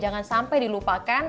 jangan sampai dilupakan